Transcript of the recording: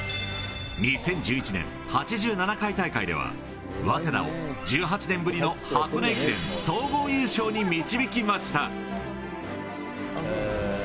２０１１年、８７回大会では、早稲田を１８年ぶりの箱根駅伝総合優勝に導きました。